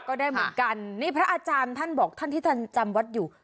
ก็ได้เหมือนกันนี่พระอาจารย์ท่านบอกท่านที่ท่านจำวัดอยู่